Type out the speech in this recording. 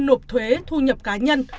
nộp thuế thu nhập cá nhân